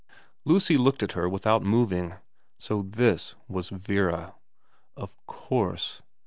Lucy looked at her without moving. So this was Vera. Of course.